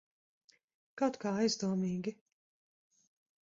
Kaut kā aizdomīgi.